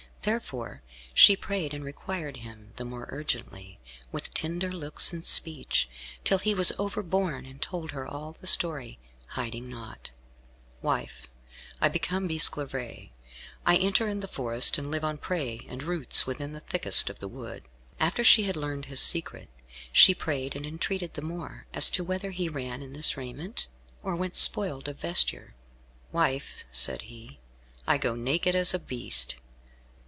Therefore she prayed and required him the more urgently, with tender looks and speech, till he was overborne, and told her all the story, hiding naught. "Wife, I become Bisclavaret. I enter in the forest, and live on prey and roots, within the thickest of the wood." After she had learned his secret, she prayed and entreated the more as to whether he ran in his raiment, or went spoiled of vesture. "Wife," said he, "I go naked as a beast."